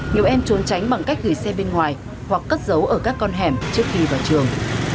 nhiều em trốn tránh bằng cách gửi xe bên ngoài hoặc cất giấu ở các con hẻm trước khi vào trường